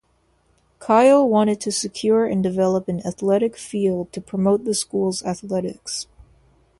Kyle wanted to secure and develop an athletic field to promote the school's athletics.